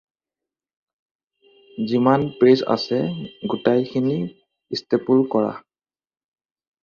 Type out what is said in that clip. যিমান পেজ আছে, গোটেইখিনি ষ্টেপোল কৰা।